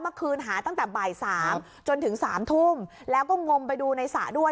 เมื่อคืนหาตั้งแต่บ่ายสามจนถึงสามทุ่มแล้วก็งมไปดูในสระด้วย